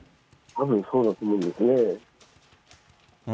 たぶんそうだと思うんですね。